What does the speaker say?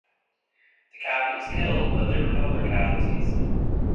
The captain was killed but there were no other casualties.